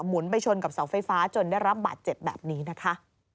ไปชนกับเสาไฟฟ้าจนได้รับบาดเจ็บแบบนี้นะคะ